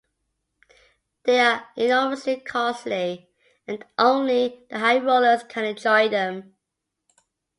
They are enormously costly, and only the high rollers can enjoy them.